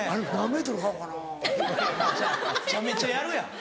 めちゃめちゃやるやん。